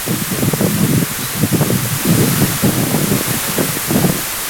Kuanzia mwanzo, sikudhani kwamba nitaweza.